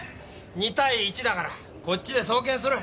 ２対１だからこっちで送検する。